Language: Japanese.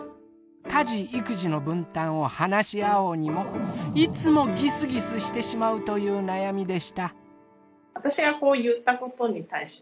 家事育児の分担を話し合おうにもいつもギスギスしてしまうという悩みでした。